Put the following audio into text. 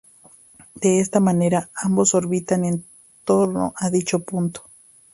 De esta manera ambos orbitan en torno a dicho punto.